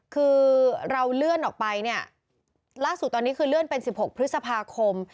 คือเราเลื่อนออกไปเนี่ยล่าสุดตอนนี้คือเลื่อนเป็น๑๖พฤษภาคม